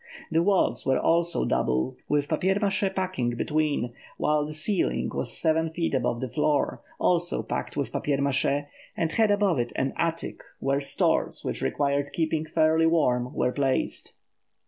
The walls were also double, with papier mâché packing between, while the ceiling was seven feet above the floor, also packed with papier mâché, and had above it an attic where stores which required keeping fairly warm were placed.